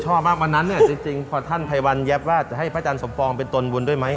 ชอบมากวันนั้นเนี่ยจริงพอท่านภัยวันแยบว่าจะให้พระอาจารย์สมปองเป็นตนบุญด้วยไหม